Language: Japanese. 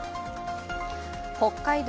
北海道